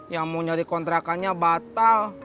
yang mau nyari kontrakannya batal